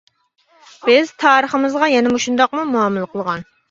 بىز تارىخىمىزغا يەنە مۇشۇنداقمۇ مۇئامىلە قىلغان!